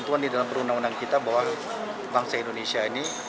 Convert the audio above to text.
ketentuan di dalam perundang undang kita bahwa bangsa indonesia ini